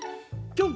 ぴょん！